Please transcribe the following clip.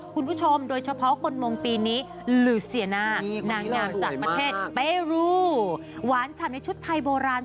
คุณผู้ชมโดยเฉพาะคนมงตร์ปีนี้